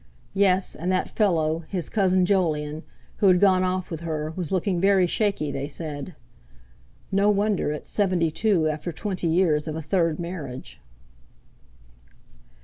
Yes, and that fellow, his cousin Jolyon, who had gone off with her, was looking very shaky, they said. No wonder, at seventy two, after twenty years of a third marriage!